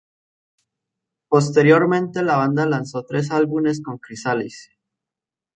Posteriormente la banda lanzó tres álbumes con Chrysalis.